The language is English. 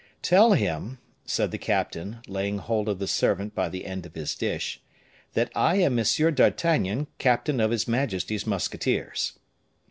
"Tell him," said the captain, laying hold of the servant by the end of his dish, "that I am M. d'Artagnan, captain of his majesty's musketeers."